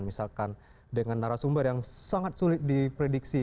misalkan dengan narasumber yang sangat sulit diprediksi